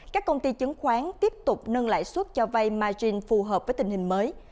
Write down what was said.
các công ty chứng khoán tiếp tục nâng lãi suất cho vay margin phù hợp với tình hình mới